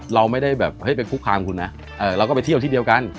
เราไม่ได้แบบเฮ้ยไปคุกคามคุณนะเราก็ไปเที่ยวที่เดียวกัน